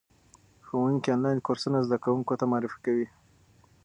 ښوونکي آنلاین کورسونه زده کوونکو ته معرفي کوي.